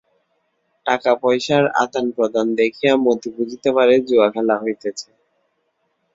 টাকাপয়সার আদানপ্রদান দেখিয়া মতি বুঝিতে পারে জুয়াখেলা হইতেছে।